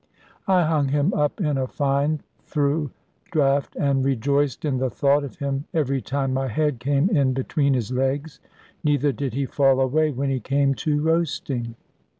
I hung him up in a fine through draught, and rejoiced in the thought of him every time my head came in between his legs. Neither did he fall away when he came to roasting.